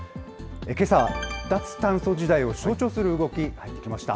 けさは脱炭素時代を象徴する動きがありました。